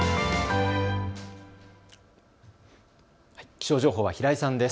気象情報は平井さんです。